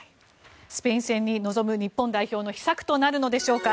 スペイン戦に臨む日本代表の秘策となるんでしょうか。